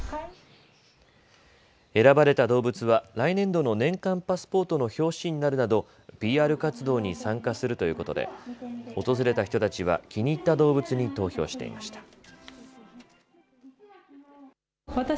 選ばれた動物は来年度の年間パスポートの表紙になるなどＰＲ活動に参加するということで訪れた人たちは気に入った動物に投票していました。